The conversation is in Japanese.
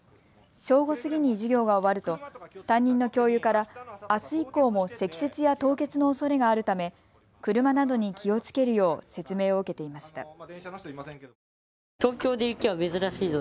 正午過ぎに授業が終わると担任の教諭からあす以降も積雪や凍結のおそれがあるため車などに気をつけるよう説明を受けていました。